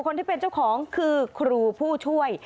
คนที่เป็นเจ้าของคือครูผู้ช่วย